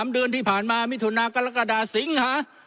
เดือนที่ผ่านมามิถุนากรกฎาสิงหา